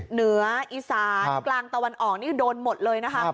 เหนืออีสานกลางตะวันออกนี่โดนหมดเลยนะคะ